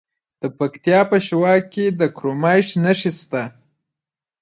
د پکتیا په شواک کې د کرومایټ نښې شته.